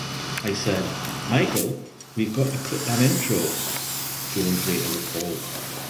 "I said, 'Michael we've got to cut that intro'" Jones later recalled.